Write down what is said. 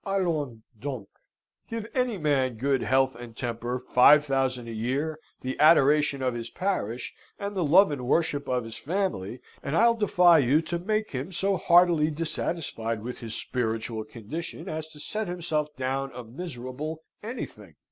Allons donc! Give any man good health and temper, five thousand a year, the adoration of his parish, and the love and worship of his family, and I'll defy you to make him so heartily dissatisfied with his spiritual condition as to set himself down a miserable anything.